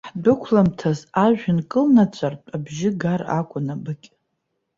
Ҳдәықәламҭаз, ажәҩан кылнаҵәартә абжьы гар акәын абыкь.